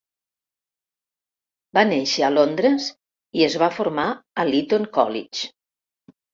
Va néixer a Londres i es va formar a l'Eton College.